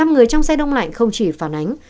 một mươi năm người trong xe đông lạnh không chỉ phản ánh